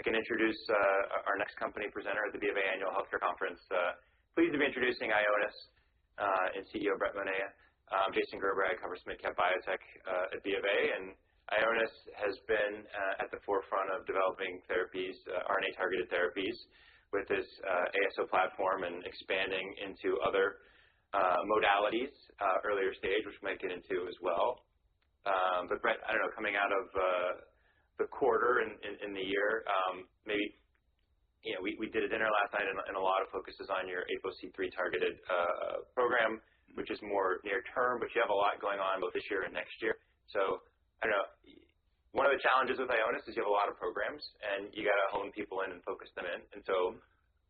I can introduce our next company presenter at the BofA Annual Healthcare Conference. Pleased to be introducing Ionis and CEO Brett Monia. Jason Gerbery, I cover Smith Camp Biotech at BofA. And Ionis has been at the forefront of developing therapies, RNA-targeted therapies with this ASO platform and expanding into other modalities, earlier stage, which we might get into as well. Brett, I do not know, coming out of the quarter in the year, maybe, you know, we did a dinner last night and a lot of focus is on your APOCIII targeted program, which is more near-term, but you have a lot going on both this year and next year. I do not know, one of the challenges with Ionis is you have a lot of programs and you gotta hone people in and focus them in.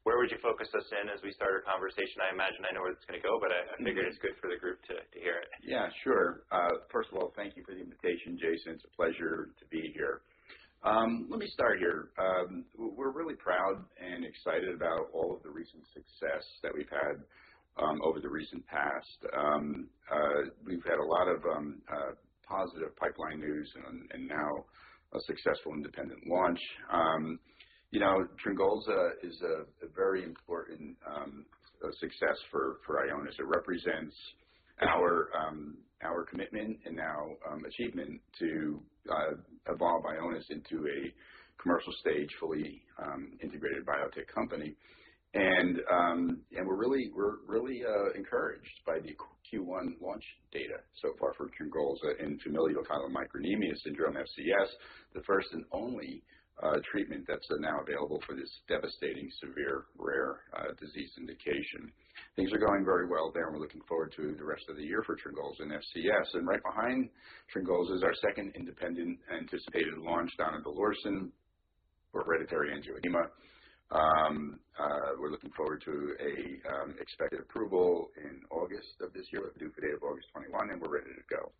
Where would you focus us in as we start our conversation? I imagine I know where it's gonna go, but I figured it's good for the group to hear it. Yeah, sure. First of all, thank you for the invitation, Jason. It's a pleasure to be here. Let me start here. We're really proud and excited about all of the recent success that we've had over the recent past. We've had a lot of positive pipeline news and now a successful independent launch. You know, TRYNGOLZA is a very important success for Ionis. It represents our commitment and now achievement to evolve Ionis into a commercial stage, fully integrated biotech company. We're really encouraged by the Q1 launch data so far for TRYNGOLZA and familial chylomicronemia syndrome, FCS, the first and only treatment that's now available for this devastating, severe, rare disease indication. Things are going very well there. We're looking forward to the rest of the year for TRYNGOLZA and FCS. Right behind TRYNGOLZA is our second independent anticipated launch, donidalorsen for hereditary angioedema. We're looking forward to an expected approval in August of this year, the due for date of August 21, and we're ready to go.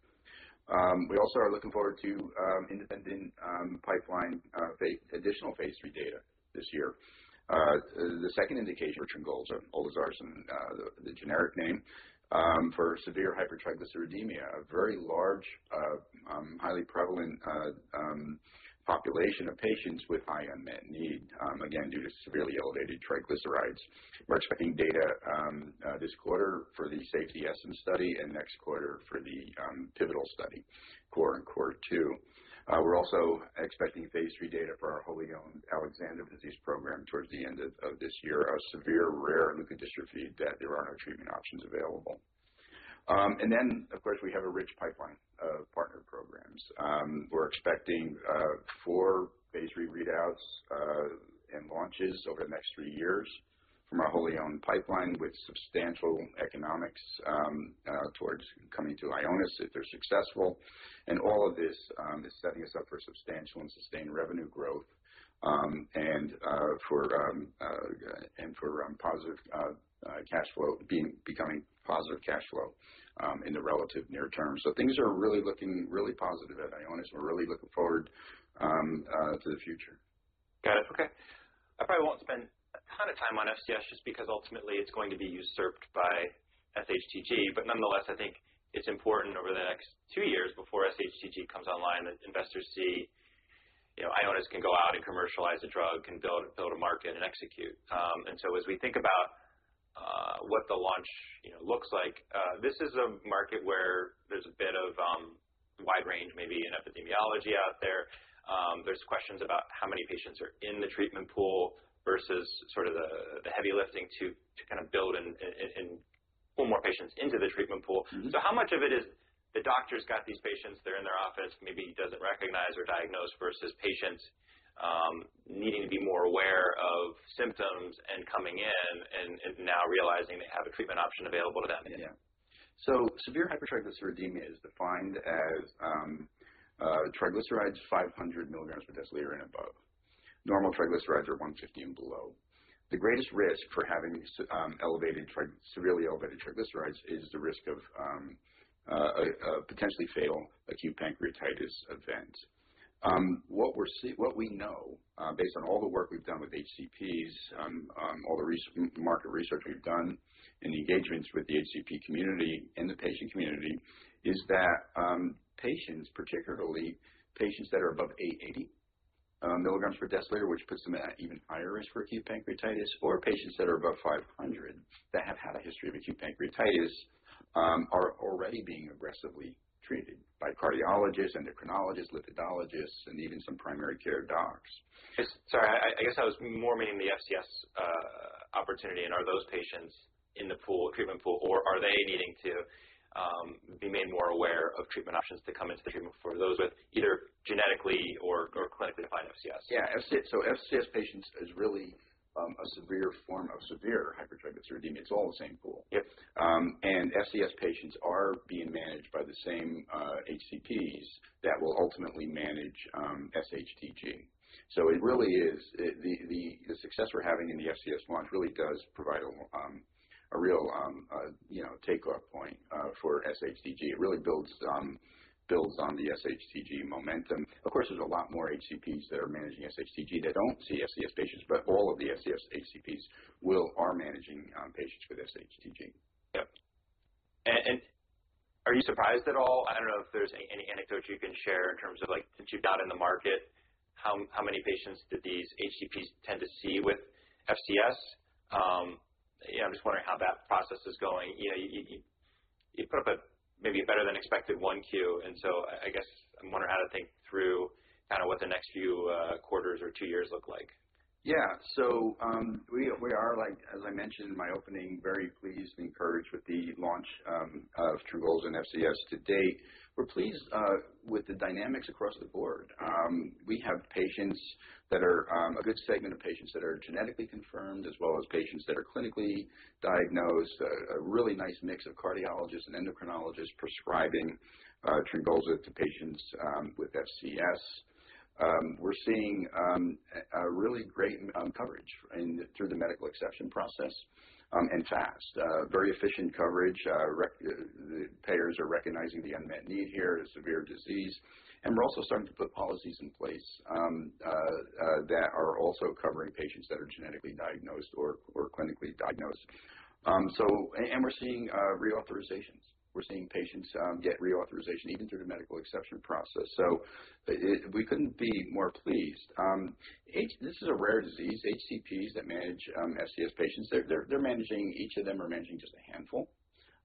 We also are looking forward to independent pipeline additional phase three data this year. The second indication for TRYNGOLZA, olezarsen, the generic name, for severe hypertriglyceridemia, a very large, highly prevalent population of patients with high unmet need, again, due to severely elevated triglycerides. We're expecting data this quarter for the safety Essence study and next quarter for the pivotal study, CORE and CORE 2 We're also expecting phase three data for our wholly owned-Alexandra disease program towards the end of this year, a severe, rare leukodystrophy that there are no treatment options available. Of course, we have a rich pipeline of partner programs. We're expecting four phase three readouts and launches over the next three years from our wholly owned pipeline with substantial economics towards coming to Ionis if they're successful. All of this is setting us up for substantial and sustained revenue growth, and for positive cash flow, becoming positive cash flow in the relatively near term. Things are really looking really positive at Ionis. We're really looking forward to the future. Got it. Okay. I probably won't spend a ton of time on FCS just because ultimately it's going to be usurped by sHTG, but nonetheless, I think it's important over the next two years before sHTG comes online that investors see, you know, Ionis can go out and commercialize a drug, can build a market and execute. As we think about what the launch looks like, this is a market where there's a bit of a wide range maybe in epidemiology out there. There's questions about how many patients are in the treatment pool versus sort of the heavy lifting to kind of build and pull more patients into the treatment pool. Mm-hmm. How much of it is the doctor's got these patients, they're in their office, maybe doesn't recognize or diagnose versus patients needing to be more aware of symptoms and coming in and now realizing they have a treatment option available to them? Yeah. Severe hypertriglyceridemia is defined as triglycerides 500 milligrams per deciliter and above. Normal triglycerides are 150 and below. The greatest risk for having elevated trig, severely elevated triglycerides is the risk of a potentially fatal acute pancreatitis event. What we're seeing, what we know, based on all the work we've done with HCPs, all the recent market research we've done and engagements with the HCP community and the patient community is that patients, particularly patients that are above 880 milligrams per deciliter, which puts them at even higher risk for acute pancreatitis, or patients that are above 500 that have had a history of acute pancreatitis, are already being aggressively treated by cardiologists, endocrinologists, lipidologists, and even some primary care docs. I guess, sorry, I guess I was more meaning the FCS opportunity, and are those patients in the pool, treatment pool, or are they needing to be made more aware of treatment options to come into the treatment for those with either genetically or clinically defined FCS? Yeah. FCS, so FCS patients is really a severe form of severe hypertriglyceridemia. It's all in the same pool. Yep. FCS patients are being managed by the same HCPs that will ultimately manage sHTG. It really is, the success we're having in the FCS launch really does provide a real, you know, takeoff point for sHTG. It really builds on the sHTG momentum. Of course, there's a lot more HCPs that are managing sHTG that don't see FCS patients, but all of the FCS HCPs are managing patients with sHTG. Yep. Are you surprised at all? I don't know if there's any, any anecdotes you can share in terms of, like, since you've got in the market, how many patients did these HCPs tend to see with FCS? You know, I'm just wondering how that process is going. You put up a maybe a better than expected one Q, and so I guess I'm wondering how to think through kind of what the next few quarters or two years look like. Yeah. We are, like, as I mentioned in my opening, very pleased and encouraged with the launch of TRYNGOLZA in FCS to date. We're pleased with the dynamics across the board. We have patients that are a good segment of patients that are genetically confirmed as well as patients that are clinically diagnosed, a really nice mix of cardiologists and endocrinologists prescribing TRYNGOLZA to patients with FCS. We're seeing really great coverage and, through the medical exception process, fast, very efficient coverage. The payers are recognizing the unmet need here is severe disease. We're also starting to put policies in place that are also covering patients that are genetically diagnosed or clinically diagnosed. We're seeing reauthorizations. We're seeing patients get reauthorization even through the medical exception process. We couldn't be more pleased. This is a rare disease. HCPs that manage FCS patients, they're managing just a handful.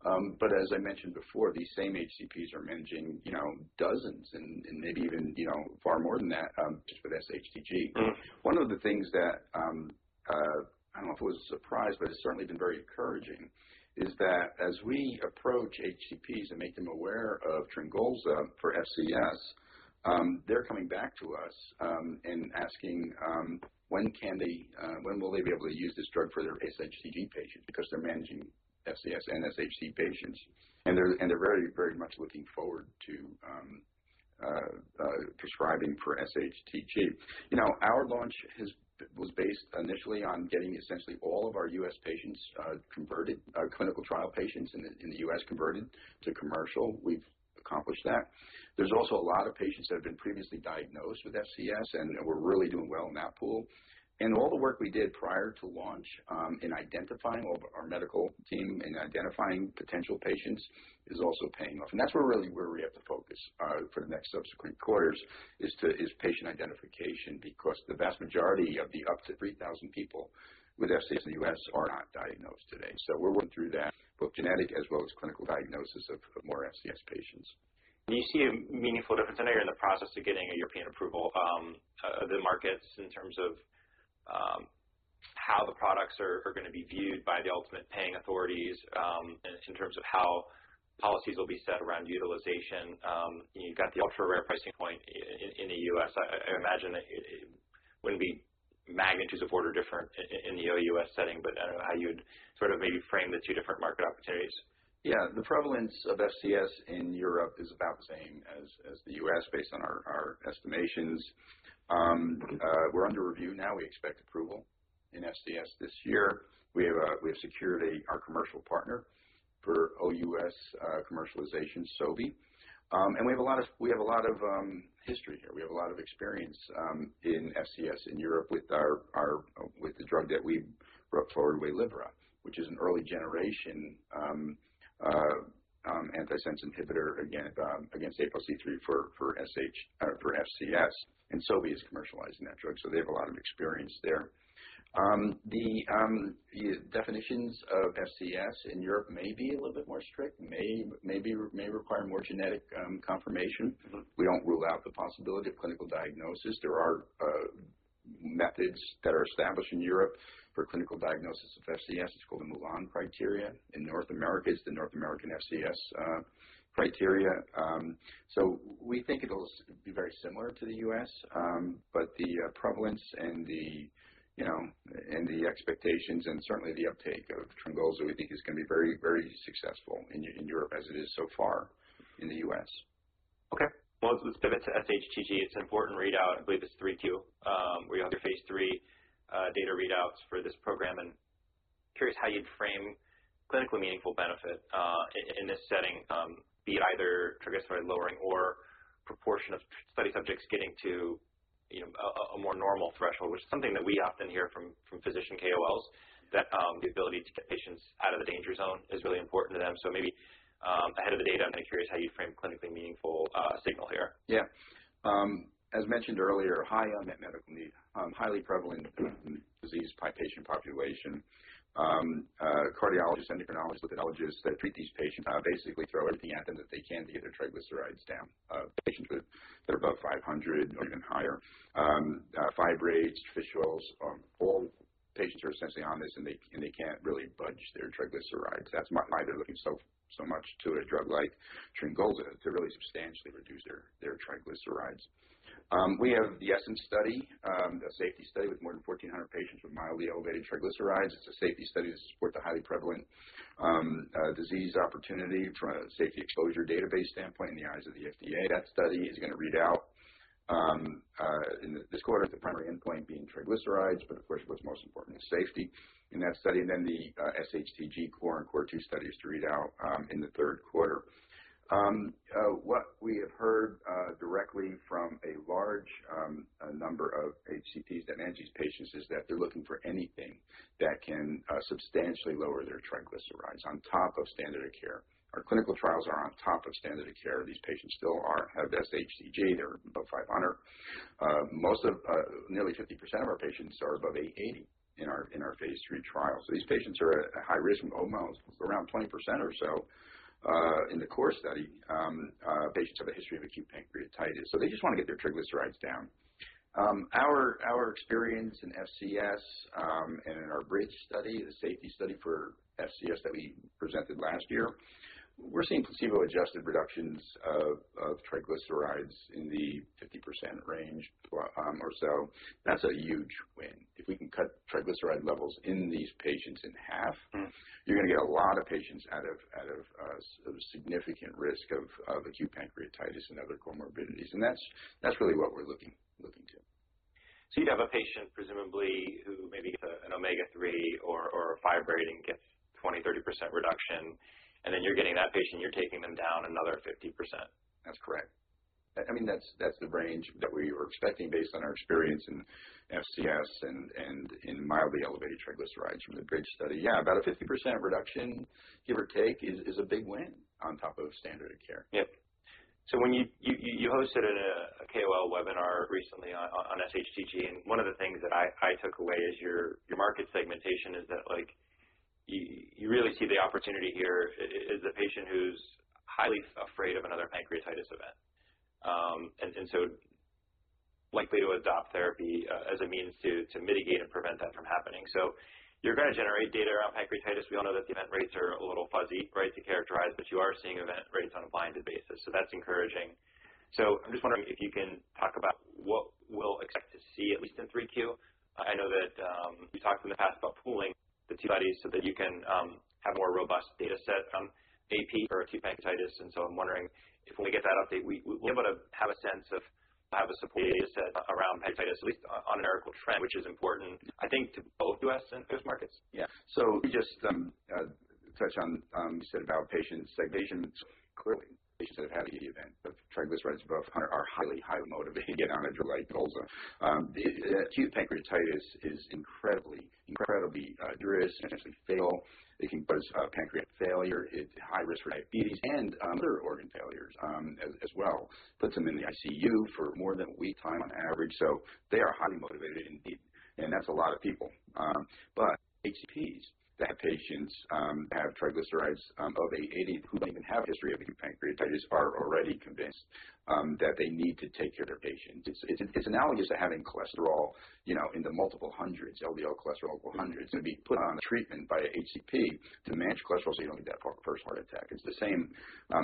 As I mentioned before, these same HCPs are managing, you know, dozens and maybe even, you know, far more than that just with sHTG. Mm-hmm. One of the things that, I don't know if it was a surprise, but it's certainly been very encouraging is that as we approach HCPs and make them aware of TRYNGOLZA for FCS, they're coming back to us, and asking, when can they, when will they be able to use this drug for their sHTG patients because they're managing FCS and sHTG patients. They're very, very much looking forward to prescribing for sHTG. You know, our launch was based initially on getting essentially all of our U.S. patients converted, clinical trial patients in the U.S. converted to commercial. We've accomplished that. There's also a lot of patients that have been previously diagnosed with FCS and we're really doing well in that pool. All the work we did prior to launch, in identifying all our medical team and identifying potential patients is also paying off. That is really where we have to focus for the next subsequent quarters, is patient identification because the vast majority of the up to 3,000 people with FCS in the U.S. are not diagnosed today. We are working through that, both genetic as well as clinical diagnosis of more FCS patients. Do you see a meaningful difference? I know you're in the process of getting a European approval, of the markets in terms of how the products are going to be viewed by the ultimate paying authorities, in terms of how policies will be set around utilization. You've got the ultra rare pricing point in the U.S. I imagine that it wouldn't be magnitudes of order different in the U.S. setting, but I don't know how you'd sort of maybe frame the two different market opportunities. Yeah. The prevalence of FCS in Europe is about the same as the U.S. based on our estimations. We're under review now. We expect approval in FCS this year. We have secured our commercial partner for OUS commercialization, Sobi, and we have a lot of history here. We have a lot of experience in FCS in Europe with the drug that we brought forward, Volanesorsen, which is an early generation antisense inhibitor against APOCIII for FCS. And Sobi is commercializing that drug, so they have a lot of experience there. The definitions of FCS in Europe may be a little bit more strict, may require more genetic confirmation. Mm-hmm. We don't rule out the possibility of clinical diagnosis. There are methods that are established in Europe for clinical diagnosis of FCS. It's called the Milan criteria. In North America, it's the North American FCS criteria. So we think it'll be very similar to the U.S., but the prevalence and the, you know, and the expectations and certainly the uptake of TRYNGOLZA, we think is gonna be very, very successful in Europe as it is so far in the U.S. Okay. Let's pivot to sHTG. It's an important readout. I believe it's third quarter, where you have your phase three data readouts for this program. I'm curious how you'd frame clinically meaningful benefit in this setting, be it either triglyceride lowering or proportion of study subjects getting to, you know, a more normal threshold, which is something that we often hear from physician KOLs, that the ability to get patients out of the danger zone is really important to them. Maybe, ahead of the data, I'm kinda curious how you'd frame clinically meaningful signal here. Yeah. As mentioned earlier, high unmet medical need, highly prevalent disease patient population, cardiologists, endocrinologists, lipidologists that treat these patients basically throw everything at them that they can to get their triglycerides down. Patients with that are above 500 or even higher, fibroids, fistulas, all patients are essentially on this and they can't really budge their triglycerides. That's why they're looking so, so much to a drug like TRYNGOLZA to really substantially reduce their triglycerides. We have the Essence study, a safety study with more than 1,400 patients with mildly elevated triglycerides. It's a safety study to support the highly prevalent disease opportunity from a safety exposure database standpoint in the eyes of the FDA. That study is gonna read out in this quarter, the primary endpoint being triglycerides, but of course, what's most important is safety in that study. The sHTG CORE and CORE 2 study is to read out in the third quarter. What we have heard directly from a large number of HCPs that manage these patients is that they're looking for anything that can substantially lower their triglycerides on top of standard of care. Our clinical trials are on top of standard of care. These patients still have sHTG. They're above 500. Nearly 50% of our patients are above 880 in our phase three trial. These patients are at a high risk, almost around 20% or so, in the CORE study. Patients have a history of acute pancreatitis. They just wanna get their triglycerides down. Our experience in FCS, and in our Bridge study, the safety study for FCS that we presented last year, we're seeing placebo-adjusted reductions of triglycerides in the 50% range, or so. That's a huge win. If we can cut triglyceride levels in these patients in half. Mm-hmm. You're gonna get a lot of patients out of a significant risk of acute pancreatitis and other comorbidities. That's really what we're looking to. You'd have a patient presumably who maybe gets an omega-3 or a fibrate and gets 20%-30% reduction, and then you're getting that patient, you're taking them down another 50%. That's correct. I mean, that's the range that we were expecting based on our experience in FCS and in mildly elevated triglycerides from the Bridge study. Yeah, about a 50% reduction, give or take, is a big win on top of standard of care. Yep. When you hosted a KOL webinar recently on sHTG, one of the things that I took away is your market segmentation is that, like, you really see the opportunity here is a patient who's highly afraid of another pancreatitis event, and so likely to adopt therapy as a means to mitigate and prevent that from happening. You're gonna generate data around pancreatitis. We all know that the event rates are a little fuzzy, right, to characterize, but you are seeing event rates on a blinded basis. That's encouraging. I'm just wondering if you can talk about what we'll expect to see at least in 3Q. I know that you've talked in the past about pooling the two studies so that you can have a more robust data set, AP for acute pancreatitis. I'm wondering if when we get that update, we'll be able to have a sense of, have a support data set around pancreatitis at least on an Eric trend, which is important, I think, to both U.S. and U.S. markets. Yeah. So we just, touch on, you said about patient segmentation. Clearly, patients that have had a heavy event of triglycerides above 100 are highly, highly motivated to get on a drug like TRYNGOLZA. The acute pancreatitis is incredibly, incredibly, dris and essentially fatal. It can cause pancreatic failure, it's high risk for diabetes and other organ failures, as well. Puts them in the ICU for more than a week time on average. They are highly motivated indeed. And that's a lot of people. HCPs that have patients that have triglycerides of 880 who don't even have a history of acute pancreatitis are already convinced that they need to take care of their patients. It's analogous to having cholesterol, you know, in the multiple hundreds, LDL cholesterol of hundreds to be put on a treatment by an HCP to manage cholesterol so you don't get that first heart attack. It's the same,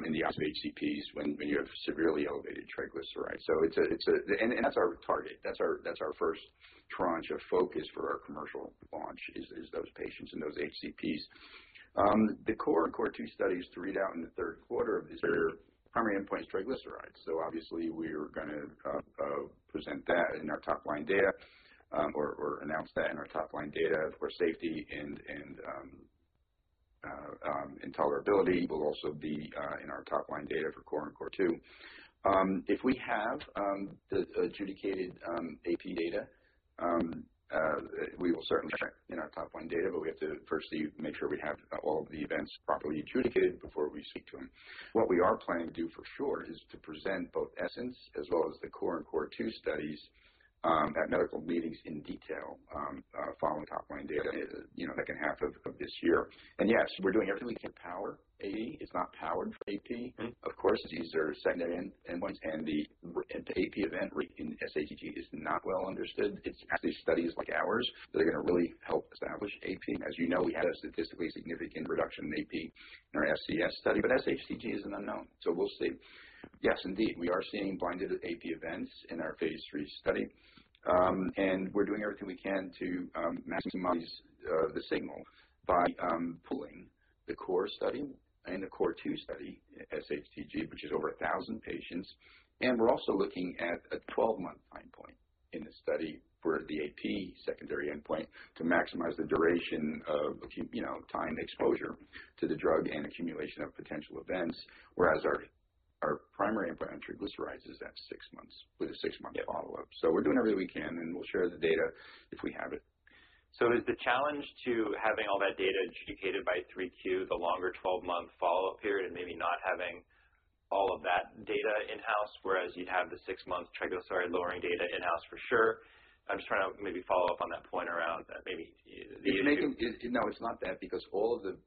in the eyes of HCPs when you have severely elevated triglycerides. That's our target. That's our first tranche of focus for our commercial launch is those patients and those HCPs. The CORE and CORE 2 studies to read out in the third quarter of this year, primary endpoint is triglycerides. Obviously we are gonna present that in our top line data, or announce that in our top line data for safety and tolerability will also be in our top line data for CORE and CORE 2. If we have the adjudicated AP data, we will certainly share in our top line data, but we have to first make sure we have all of the events properly adjudicated before we speak to them. What we are planning to do for sure is to present both Essence as well as the CORE and CORE 2 studies at medical meetings in detail, following top line data, you know, second half of this year. Yes, we're doing everything we can to power AP. It's not powered for AP. Mm-hmm. Of course, these are segmented endpoints. The AP event rate in sHTG is not well understood. It's actually studies like ours that are gonna really help establish AP. As you know, we had a statistically significant reduction in AP in our FCS study, but sHTG is an unknown. We'll see. Yes, indeed, we are seeing blinded AP events in our phase three study. We're doing everything we can to maximize the signal by pooling the CORE study and the CORE 2 study sHTG, which is over 1,000 patients. We're also looking at a 12-month time point in the study for the AP secondary endpoint to maximize the duration of, you know, time exposure to the drug and accumulation of potential events, whereas our primary endpoint on triglycerides is at six months with a six-month follow-up. We're doing everything we can, and we'll share the data if we have it. Is the challenge to having all that data adjudicated by 3Q, the longer 12-month follow-up period, and maybe not having all of that data in-house, whereas you'd have the six-month triglyceride lowering data in-house for sure? I'm just trying to maybe follow up on that point around that maybe these. It's not that because all of the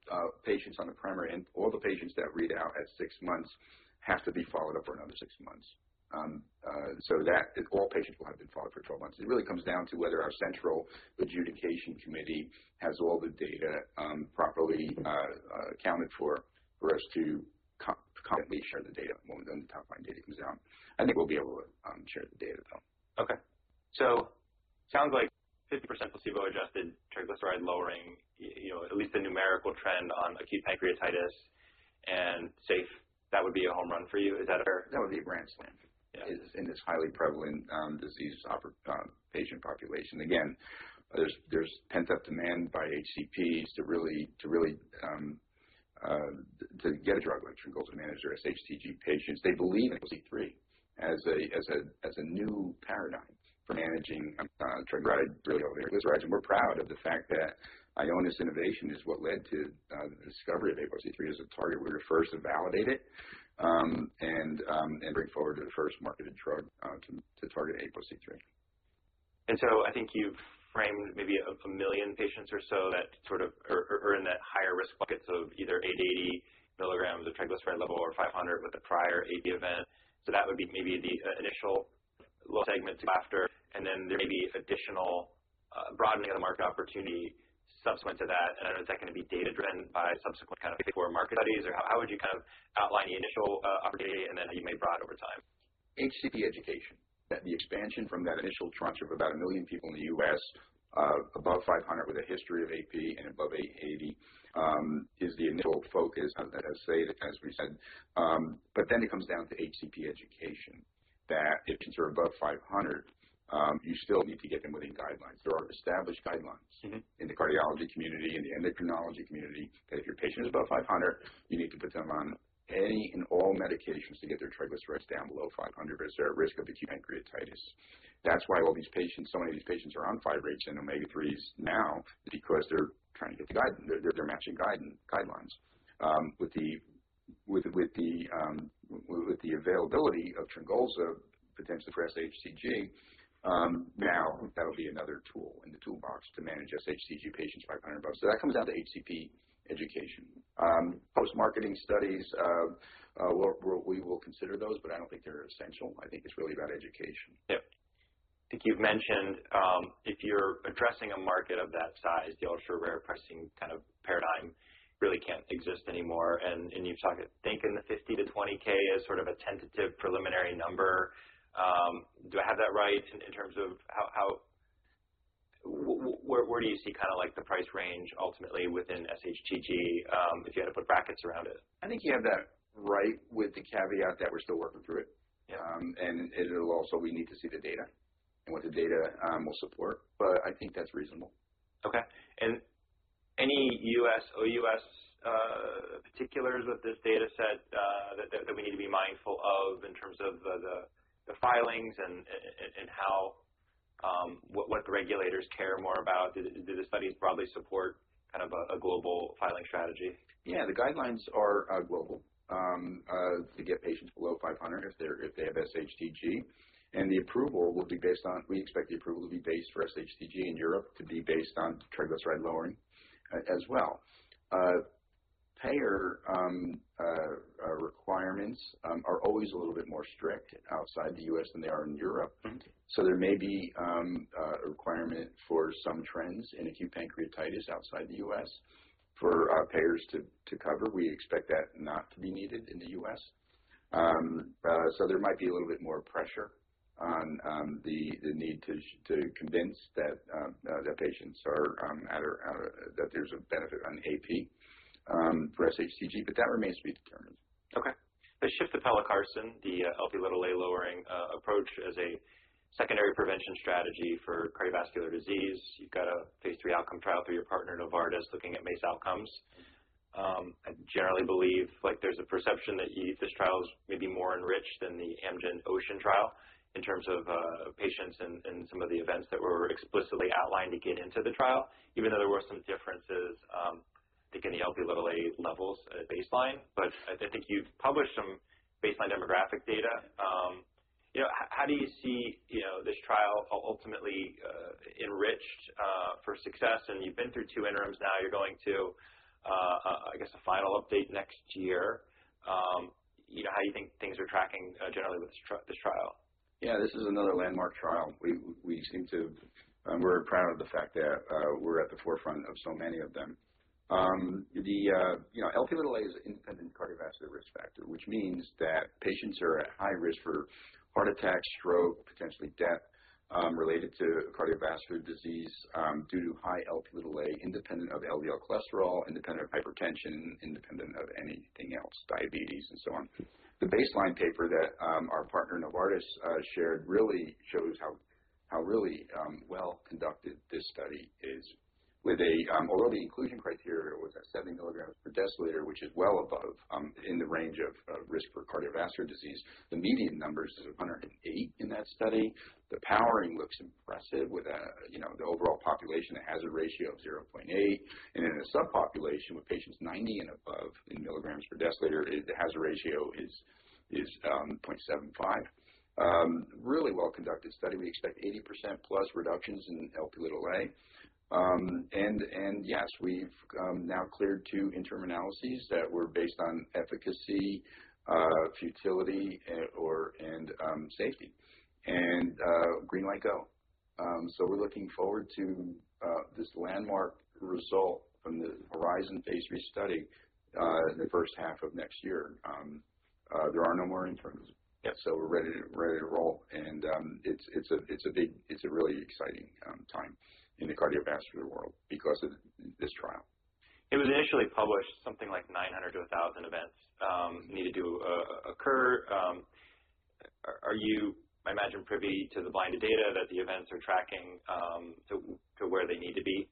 patients on the primary end, all the patients that read out at six months have to be followed up for another six months, so that all patients will have been followed for 12 months. It really comes down to whether our central adjudication committee has all the data properly accounted for, for us to at least share the data when the top line data comes out. I think we'll be able to share the data though. Okay. So sounds like 50% placebo-adjusted triglyceride lowering, you know, at least a numerical trend on acute pancreatitis and safe. That would be a home run for you. Is that fair? That would be a grand slam. Yeah. Is in this highly prevalent disease or patient population. Again, there's pent-up demand by HCPs to really get a drug like TRYNGOLZA to manage their sHTG patients. They believe in APOCIII as a new paradigm for managing triglycerides, really over triglycerides. We're proud of the fact that Ionis innovation is what led to the discovery of APOCIII as a target. We were the first to validate it and bring forward the first marketed drug to target APOCIII. I think you've framed maybe a million patients or so that are in that higher risk buckets of either 880 milligrams of triglyceride level or 500 with a prior AP event. That would be maybe the initial low segment after, and then there may be additional broadening of the market opportunity subsequent to that. I know that's gonna be data driven by subsequent kind of before market studies or how would you kind of outline the initial opportunity and then how you may broaden over time? HCP education. The expansion from that initial tranche of about a million people in the U.S., above 500 with a history of AP and above 880, is the initial focus of that, as I say, as we said, but then it comes down to HCP education that if patients are above 500, you still need to get them within guidelines. There are established guidelines. Mm-hmm. In the cardiology community, in the endocrinology community, if your patient is above 500, you need to put them on any and all medications to get their triglycerides down below 500 because they're at risk of acute pancreatitis. That's why so many of these patients are on fibrates and omega-3s now because they're trying to get the guidelines. With the availability of TRYNGOLZA potentially for sHTG, now that'll be another tool in the toolbox to manage sHTG patients 500 above. That comes down to HCP education. Post-marketing studies, we will consider those, but I don't think they're essential. I think it's really about education. Yep. I think you've mentioned, if you're addressing a market of that size, the ultra-rare pricing kind of paradigm really can't exist anymore. You've talked of thinking the $50,000-$20,000 as sort of a tentative preliminary number. Do I have that right in terms of how, where do you see kind of like the price range ultimately within sHTG, if you had to put brackets around it? I think you have that right with the caveat that we're still working through it. Yeah. It'll also, we need to see the data and what the data will support. I think that's reasonable. Okay. Any U.S., OUS particulars with this data set that we need to be mindful of in terms of the filings and how, what the regulators care more about? Do the studies broadly support kind of a global filing strategy? Yeah. The guidelines are, global, to get patients below 500 if they're, if they have sHTG. And the approval will be based on, we expect the approval to be based for sHTG in Europe to be based on triglyceride lowering, as well. Payer requirements are always a little bit more strict outside the U.S. than they are in Europe. Mm-hmm. There may be a requirement for some trends in acute pancreatitis outside the U.S. for payers to cover. We expect that not to be needed in the U.S. There might be a little bit more pressure on the need to convince that patients are at or that there's a benefit on AP for sHTG, but that remains to be determined. Okay. Let's shift to Pelacarsen, the Lp(a) lowering approach as a secondary prevention strategy for cardiovascular disease. You've got a phase three outcome trial through your partner, Novartis, looking at MACE outcomes. I generally believe, like, there's a perception that you, this trial's maybe more enriched than the Amgen Ocean trial in terms of patients and, and some of the events that were explicitly outlined to get into the trial, even though there were some differences, I think, in the Lp(a) levels at baseline. But I, I think you've published some baseline demographic data. You know, how, how do you see, you know, this trial ultimately enriched for success? And you've been through two interims now. You're going to, I guess, a final update next year. You know, how do you think things are tracking, generally, with this trial? Yeah. This is another landmark trial. We seem to, we're proud of the fact that we're at the forefront of so many of them. The, you know, Lp(a) is an independent cardiovascular risk factor, which means that patients are at high risk for heart attack, stroke, potentially death, related to cardiovascular disease, due to high Lp(a), independent of LDL cholesterol, independent of hypertension, independent of anything else, diabetes, and so on. The baseline paper that our partner Novartis shared really shows how, how really well conducted this study is with a, although the inclusion criteria was at 70 milligrams per deciliter, which is well above, in the range of risk for cardiovascular disease. The median number is 108 in that study. The powering looks impressive with a, you know, the overall population, a hazard ratio of 0.8. In a subpopulation with patients 90 and above in milligrams per deciliter, the hazard ratio is 0.75. Really well conducted study. We expect 80%+ reductions in Lp(a). Yes, we have now cleared two interim analyses that were based on efficacy, futility, or safety. Green light go. We are looking forward to this landmark result from the HORIZON phase three study in the first half of next year. There are no more interims. Yep. We're ready to roll. It's a big, really exciting time in the cardiovascular world because of this trial. It was initially published something like 900-1,000 events needed to occur. Are you, I imagine, privy to the blinded data that the events are tracking to where they need to be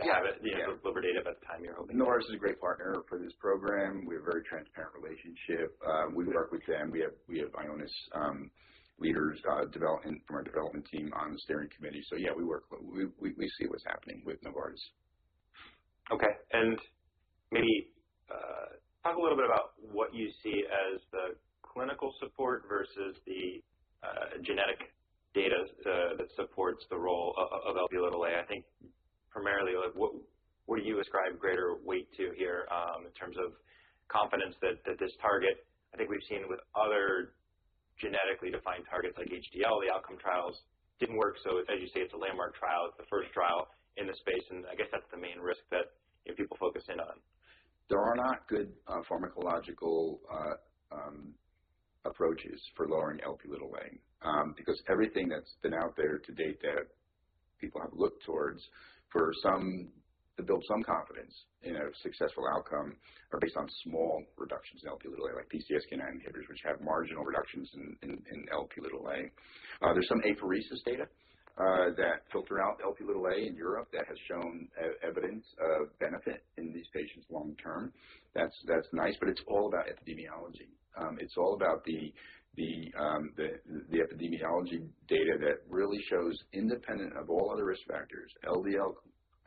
to have it? Yeah. You know, deliver data by the time you're hoping? Novartis is a great partner for this program. We have a very transparent relationship. We work with them. We have Ionis leaders, development from our development team on the steering committee. Yeah, we work close. We see what's happening with Novartis. Okay. Maybe talk a little bit about what you see as the clinical support versus the genetic data that supports the role of Lp(a). I think primarily, like, what do you ascribe greater weight to here, in terms of confidence that this target? I think we've seen with other genetically defined targets like HDL, the outcome trials did not work. As you say, it's a landmark trial. It's the first trial in the space. I guess that's the main risk that people focus in on. There are not good pharmacological approaches for lowering Lp(a), because everything that's been out there to date that people have looked towards for some to build some confidence in a successful outcome are based on small reductions in Lp(a), like PCSK9 inhibitors, which have marginal reductions in Lp(a). There's some apheresis data that filter out Lp(a) in Europe that has shown evidence of benefit in these patients long term. That's nice, but it's all about epidemiology. It's all about the epidemiology data that really shows independent of all other risk factors, LDL,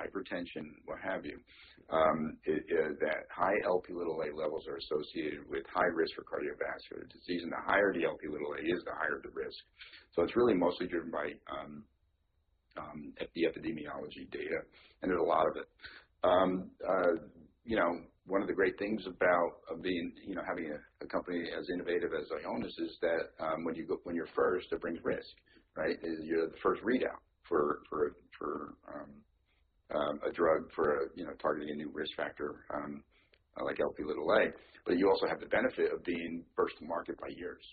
hypertension, what have you, that high Lp(a) levels are associated with high risk for cardiovascular disease. The higher the Lp(a) is, the higher the risk. It's really mostly driven by the epidemiology data, and there's a lot of it. You know, one of the great things about being, you know, having a company as innovative as Ionis is that when you're first, it brings risk, right? You're the first readout for a drug for, you know, targeting a new risk factor, like Lp(a). You also have the benefit of being first to market by years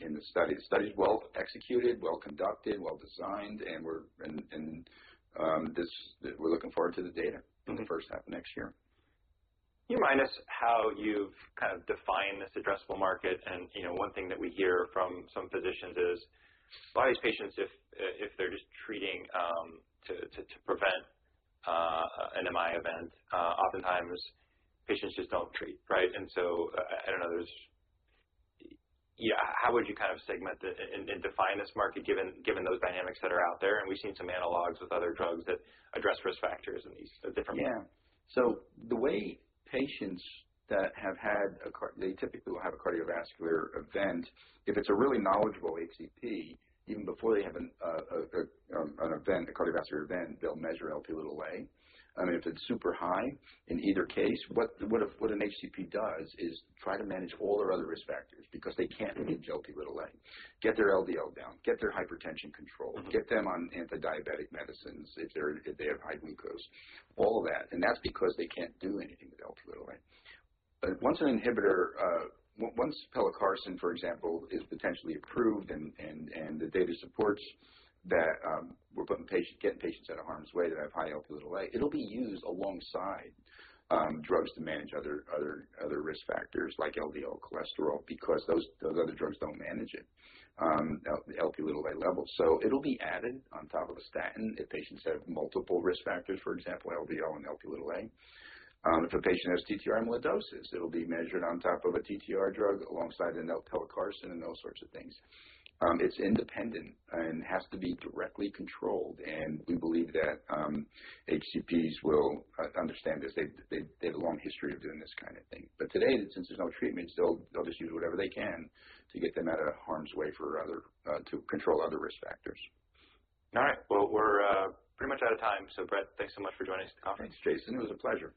in the study. The study's well executed, well conducted, well designed, and we're looking forward to the data. Mm-hmm. In the first half of next year. Do you mind us how you've kind of defined this addressable market? You know, one thing that we hear from some physicians is a lot of these patients, if they're just treating to prevent an MI event, oftentimes patients just don't treat, right? I don't know, there's, you know, how would you kind of segment and define this market given those dynamics that are out there? We've seen some analogs with other drugs that address risk factors in these different. Yeah. The way patients that have had a card, they typically will have a cardiovascular event. If it's a really knowledgeable HCP, even before they have an event, a cardiovascular event, they'll measure Lp(a). I mean, if it's super high, in either case, what an HCP does is try to manage all their other risk factors because they can't manage Lp(a). Get their LDL down, get their hypertension controlled, get them on antidiabetic medicines if they have high glucose, all of that. That's because they can't do anything with Lp(a). Once an inhibitor, once Pelacarsen, for example, is potentially approved and the data supports that, we're putting patients, getting patients out of harm's way that have high Lp(a). It'll be used alongside drugs to manage other risk factors like LDL cholesterol because those other drugs don't manage the Lp(a) level. So it'll be added on top of a statin if patients have multiple risk factors, for example, LDL and Lp(a). If a patient has TTR amyloidosis, it'll be measured on top of a TTR drug alongside a Pelacarsen and those sorts of things. It's independent and has to be directly controlled. We believe that HCPs will understand this. They have a long history of doing this kind of thing. Today, since there's no treatment, they'll just use whatever they can to get them out of harm's way for other, to control other risk factors. All right. We're pretty much out of time. Brett, thanks so much for joining us at the conference. Thanks, Jason. It was a pleasure.